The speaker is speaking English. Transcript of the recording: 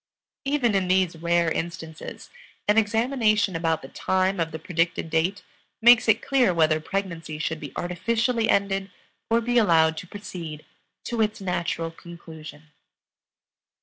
Even in these rare instances an examination about the time of the predicted date makes it clear whether pregnancy should be artificially ended or be allowed to proceed to its natural conclusion.